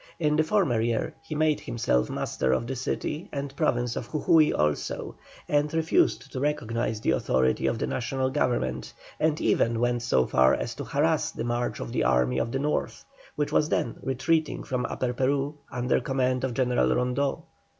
In the former year he made himself master of the city and Province of Jujui also, and refused to recognise the authority of the National Government, and even went so far as to harass the march of the Army of the North, which was then retreating from Upper Peru, under command of General Rondeau.